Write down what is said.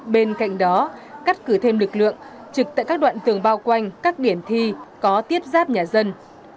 bên cạnh đó cắt cử thêm lực lượng trực tại các đoạn tường bao quanh các điểm thi có tiếp giáp nhà dân